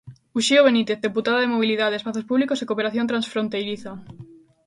Uxío Benítez, deputado de Mobilidade, Espazos Públicos e Cooperación Transfronteiriza.